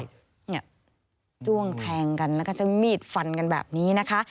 จ้วงแทงกันแล้วก็ใช้มีดฟันกันแบบนี้นะคะ